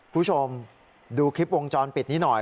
คุณผู้ชมดูคลิปวงจรปิดนี้หน่อย